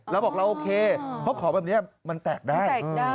เราบอกเราโอเคเพราะของแบบนี้มันแตกได้